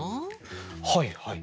はいはい。